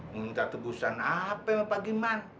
minta tebusan apa ya pak giman